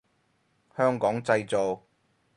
香港製造